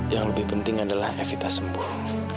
yang lebih penting adalah evita sembuh